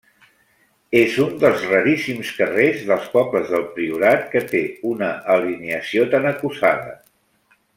És un dels raríssims carrers dels pobles del Priorat que té una alineació tan acusada.